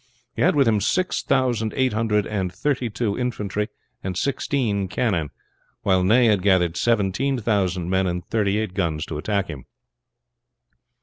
He had with him six thousand eight hundred and thirty two infantry and sixteen cannon, while Ney had gathered seventeen thousand men and thirty eight guns to attack him.